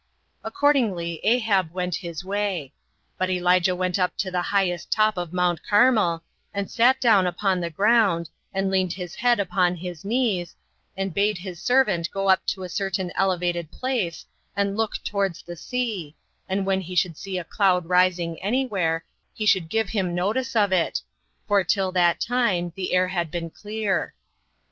Accordingly Ahab went his way. But Elijah went up to the highest top of Mount Carmel, and sat down upon the ground, and leaned his head upon his knees, and bade his servant go up to a certain elevated place, and look towards the sea, and when he should see a cloud rising any where, he should give him notice of it, for till that time the air had been clear.